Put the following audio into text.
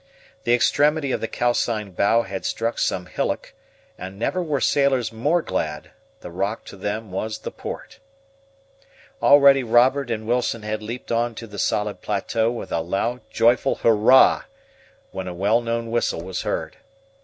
The extremity of the calcined bough had struck some hillock, and never were sailors more glad; the rock to them was the port. Already Robert and Wilson had leaped on to the solid plateau with a loud, joyful hurrah! when a well known whistle was heard.